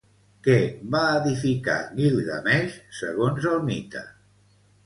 Què va edificar Guilgameix segons el mite?